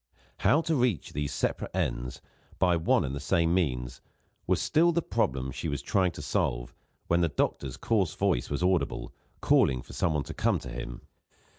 How to reach these separate ends, by one and the same means, was still the problem which she was trying to solve, when the doctor's coarse voice was audible, calling for somebody to come to him.